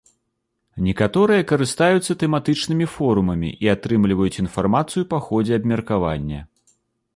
Некаторыя карыстаюцца тэматычнымі форумамі і атрымліваюць інфармацыю па ходзе абмеркавання.